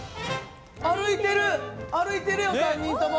歩いてる歩いてるよ３人とも。